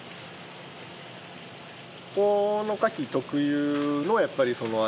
この牡蠣特有のやっぱりその味